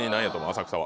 浅草は。